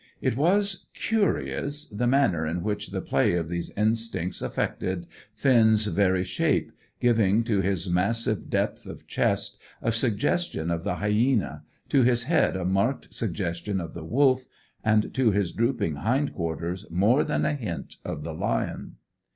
It was curious, the manner in which the play of these instincts affected Finn's very shape, giving to his massive depth of chest a suggestion of the hyæna, to his head a marked suggestion of the wolf, and to his drooping hind quarters more than a hint of the lion.